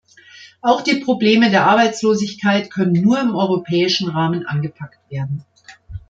Auch die Probleme der Arbeitslosigkeit können nur im europäischen Rahmen angepackt werden.